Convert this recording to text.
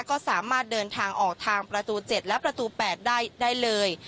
ก็สามารถเดินทางออกทางประตู๗และประตู๘ได้เลย